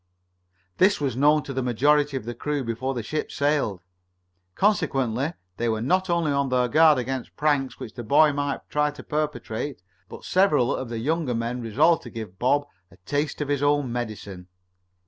This was known to the majority of the crew before the ship sailed. Consequently they were not only on their guard against any pranks which the boy might try to perpetrate, but several of the younger men resolved to give Bob a taste of his own medicine.